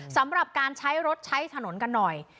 สำหรับการใช้รถใช้ถนนกันหน่อย